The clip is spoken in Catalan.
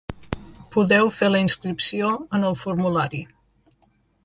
Podeu fer la inscripció en el formulari.